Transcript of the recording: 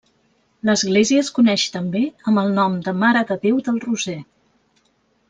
L'església es coneix també amb el nom de Mare de Déu del Roser.